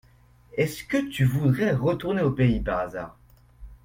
Est-ce que tu voudrais retourner au pays, par hasard ?